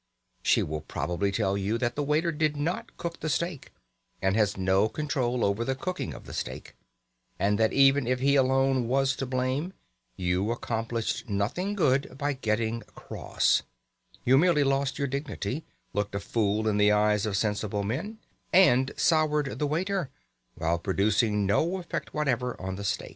She will probably tell you that the waiter did not cook the steak, and had no control over the cooking of the steak; and that even if he alone was to blame, you accomplished nothing good by getting cross; you merely lost your dignity, looked a fool in the eyes of sensible men, and soured the waiter, while producing no effect whatever on the steak.